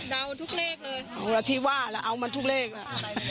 ดาวทุกเลขเลยเอาละที่ว่าแล้วเอามันทุกเลขล่ะ